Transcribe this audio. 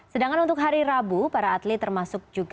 sedangkan untuk hari rabu para atlet termasuk juga